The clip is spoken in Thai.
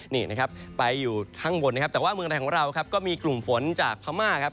นี่นะครับไปอยู่ข้างบนนะครับแต่ว่าเมืองไทยของเราครับก็มีกลุ่มฝนจากพม่าครับ